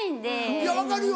いや分かるよ